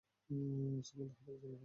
মুসলমানদের হাতে একজন নিহত হয়।